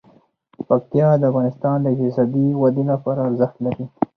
پکتیا د افغانستان د اقتصادي ودې لپاره ارزښت لري.